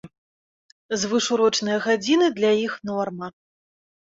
Звышурочныя гадзіны для іх норма.